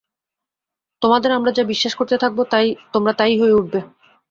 তোমাদের আমরা যা বিশ্বাস করতে থাকব তোমরা তাই হয়ে উঠবে।